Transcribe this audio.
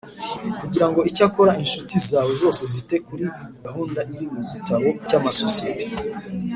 Kujyira ngo Icyakora incuti zawe zose zite kuri gahunda iri mu gitabo cy amasosiyete